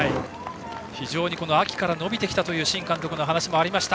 非常に秋から伸びてきたという新監督の話もありました